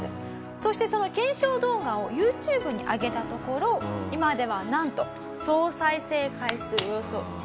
そしてその検証動画をＹｏｕＴｕｂｅに上げたところ今ではなんと。